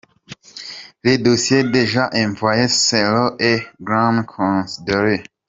Les dossiers déjà envoyés seront également considérés.